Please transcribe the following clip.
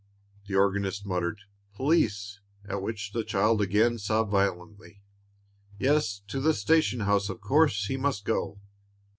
The organist muttered, "Police," at which the child again sobbed violently. "Yes, to the station house, of course, he must go."